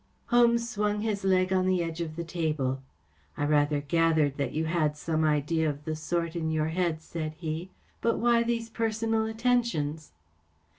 Holmes swung his leg on the edge of the table. * 4 I rather gathered that you had some idea of the sort in your head," said he. * But why these personal attentions